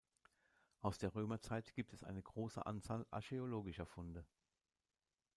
Aus der Römerzeit gibt es eine große Anzahl archäologischer Funde.